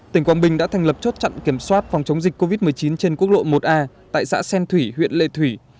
tỉnh quảng bình đã thành lập chốt chặn kiểm soát phòng chống dịch covid một mươi chín trên quốc lộ một a tại xã xen thủy huyện lệ thủy